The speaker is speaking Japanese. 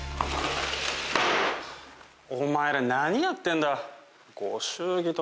お前ら何やってんだ。